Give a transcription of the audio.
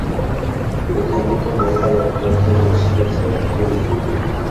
এখানে তো মহিলা ডাক্তারকে বসিয়েছ তুমি!